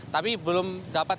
tapi belum dapatkan